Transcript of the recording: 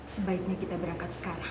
sebaiknya kita berangkat sekarang